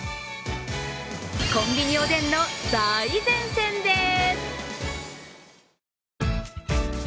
コンビニおでんの最前線です。